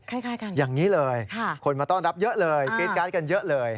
อย่างนี้เลยคนมาต้อนรับเยอะเลยกรี๊ดการ์ดกันเยอะเลย